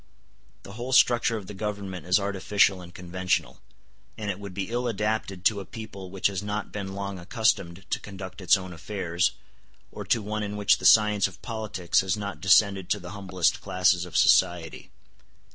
The whole structure of the Government is artificial and conventional; and it would be ill adapted to a people which has not been long accustomed to conduct its own affairs, or to one in which the science of politics has not descended to the humblest classes of society.